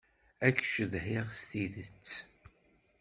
Ad k-cedhiɣ s tidet.